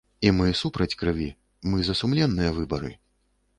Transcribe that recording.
І мы супраць крыві, мы за сумленныя выбары.